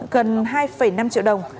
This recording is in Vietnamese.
gần hai năm triệu đồng